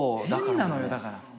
変なのよだから。